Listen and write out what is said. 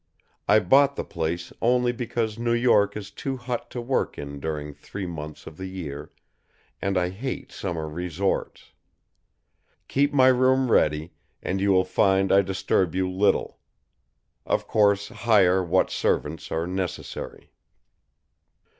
I bought the place only because New York is too hot to work in during three months of the year, and I hate summer resorts. Keep my room ready, and you will find I disturb you little. Of course, hire what servants are necessary.